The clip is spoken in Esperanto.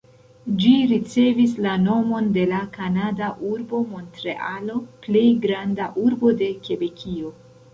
Ĝi ricevis la nomon de la kanada urbo Montrealo, plej granda urbo de Kebekio.